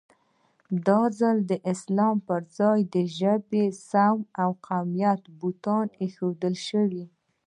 دا ځل د اسلام پر ځای د ژبې، سمت او قومیت بوتان اېښودل شوي.